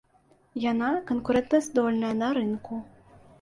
Яна канкурэнтаздольная на рынку.